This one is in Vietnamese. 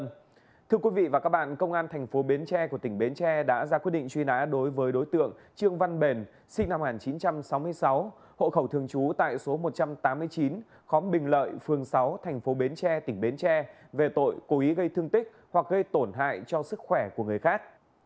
thưa quý vị và các bạn công an thành phố bến tre của tỉnh bến tre đã ra quyết định truy nã đối với đối tượng trương văn bền sinh năm một nghìn chín trăm sáu mươi sáu hộ khẩu thường trú tại số một trăm tám mươi chín khóm bình lợi phường sáu thành phố bến tre tỉnh bến tre về tội cố ý gây thương tích hoặc gây tổn hại cho sức khỏe của người khác